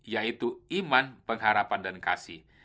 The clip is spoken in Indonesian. yaitu iman pengharapan dan kasih